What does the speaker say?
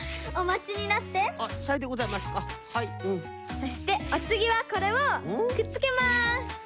そしておつぎはこれをくっつけます。